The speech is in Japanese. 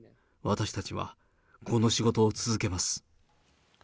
私たちはこの仕事を続けます。